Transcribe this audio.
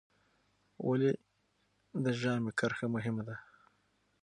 ولې د ژامې کرښه مهمه ده؟